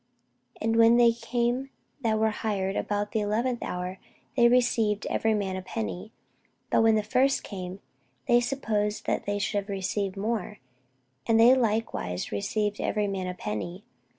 And when they came that were hired about the eleventh hour, they received every man a penny. But when the first came, they supposed that they should have received more; and they likewise received every man a penny.